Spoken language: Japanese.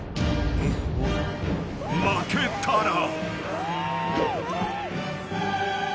［負けたら］